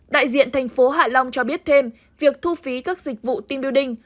đại diện thành phố hạ long cho biết thêm việc thu phí các dịch vụ team building